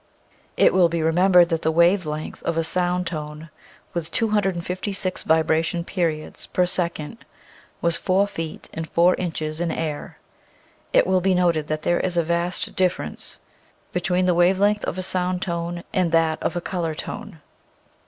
It will be remembered that the wave length of a sound tone with 256 vibration periods per second was four feet and four inches in air. It will be noted that there is a vast dif ference between the wave length of a sound tone and that of a color tone.